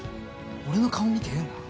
俺の顔見て言うな！